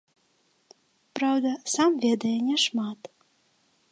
Праўда, сам ведае няшмат.